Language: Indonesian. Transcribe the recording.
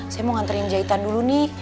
saya mau nganterin jahitan dulu nih